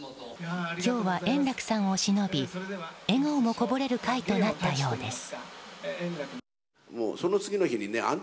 今日は円楽さんをしのび笑顔もこぼれる会となったようです。